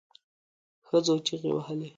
ښځو چیغې وهلې.